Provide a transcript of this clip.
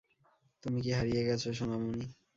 তুমি কি হারিয়ে গেছো, সোনামণি!